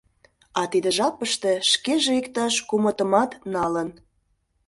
А тиде жапыште шкеже иктаж кумытымат налын.